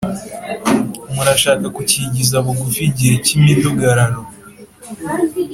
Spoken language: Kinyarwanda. murashaka gukigiza bugufi igihe cy’imidugararo.